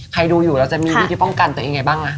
ใครดูอยู่แล้วจะมีที่ป้องกันตัวเองไงบ้างละ